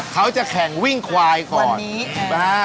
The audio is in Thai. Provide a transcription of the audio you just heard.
เขาจะแข่งวิ่งควายก่อนแหละค่ะจริงละครับ